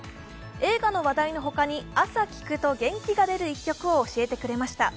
映画の話題の他に朝聴くと元気が出る一曲を教えてくれました。